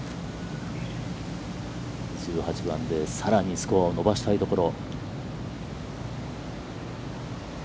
１８番でさらにスコアを伸ばしたいところ。